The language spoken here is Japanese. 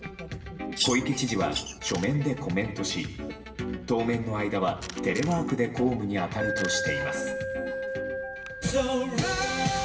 小池知事は書面でコメントし当面の間はテレワークで公務に当たるとしています。